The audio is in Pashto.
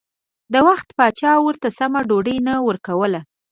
د وخت پاچا ورته سمه ډوډۍ نه ورکوله.